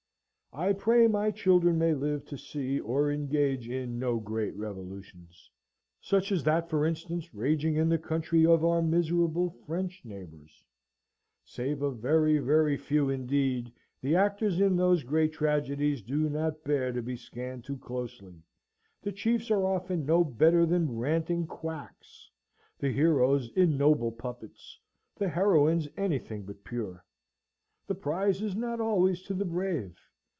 I pray my children may live to see or engage in no great revolutions, such as that, for instance, raging in the country of our miserable French neighbours. Save a very, very few indeed, the actors in those great tragedies do not bear to be scanned too closely; the chiefs are often no better than ranting quacks; the heroes ignoble puppets; the heroines anything but pure. The prize is not always to the brave.